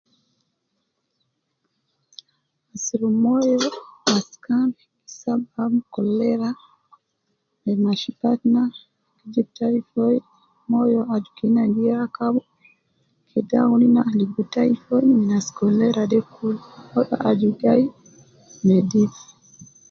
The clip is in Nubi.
Asurub moyo waskan sabab cholera ,me mashi batna, gi jib typhoid moyo aju kena gi rakab kede awun ina amurugu typhoid me nas cholera de kul, moyo aju gai nedif